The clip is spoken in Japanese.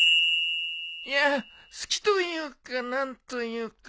いや好きというか何というか。